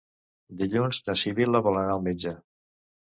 Dilluns na Sibil·la vol anar al metge.